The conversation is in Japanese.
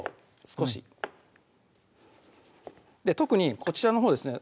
少し特にこちらのほうですね